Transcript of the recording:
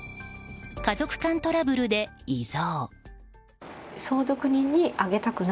家族間トラブルで遺贈。